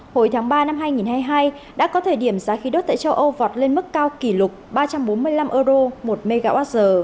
hồi tháng ba năm hai nghìn hai mươi hai đã có thời điểm giá khí đốt tại châu âu vọt lên mức cao kỷ lục ba trăm bốn mươi năm euro một mwh